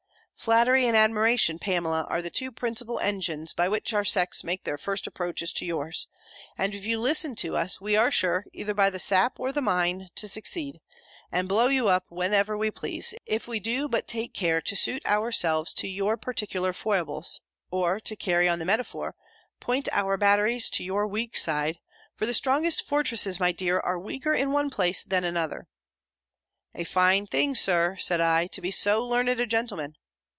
Flattery and admiration, Pamela, are the two principal engines by which our sex make their first approaches to yours; and if you listen to us, we are sure, either by the sap or the mine, to succeed, and blow you up when ever we please, if we do but take care to suit ourselves to your particular foibles; or, to carry on the metaphor, point our batteries to your weak side for the strongest fortresses, my dear, are weaker in one place than another." "A fine thing, Sir," said I, "to be so learned a gentleman!"